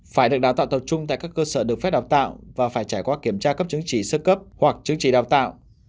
phải được đào tạo tập trung tại các cơ sở được phép đào tạo và phải trải qua kiểm tra cấp chứng chỉ sơ cấp hoặc chứng chỉ đào tạo